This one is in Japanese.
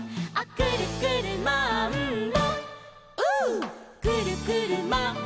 「くるくるマンボ」